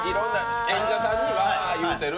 演者さんにワーッと言うてる。